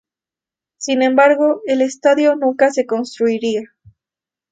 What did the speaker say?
Sin embargo, el estadio nunca se construiría.